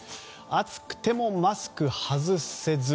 暑くてもマスク外せず。